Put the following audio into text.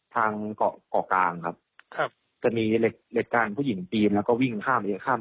ทางเกาะเกาะกลางครับครับจะมีเหล็กเหล็กกลางผู้หญิงปีนแล้วก็วิ่งข้ามเลข้าม